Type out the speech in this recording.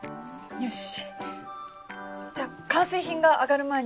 よし。